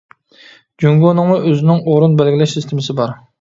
جۇڭگونىڭمۇ ئۆزىنىڭ ئورۇن بەلگىلەش سىستېمىسى بار.